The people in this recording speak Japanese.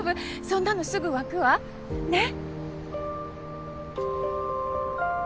そんなのすぐ湧くわ。ね？